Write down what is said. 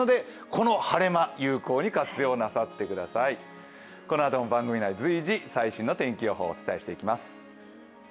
このあとも番組内、随時、最新の天気予報をお伝えしていきます。